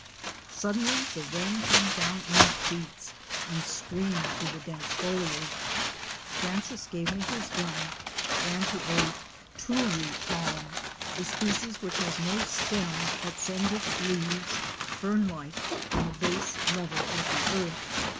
Suddenly the rain came down in sheets, and streamed through the dense foliage. Francis gave me his gun, ran to a tooroo palm, a species which has no stem but sends its leaves, fern like, from a base level with the earth.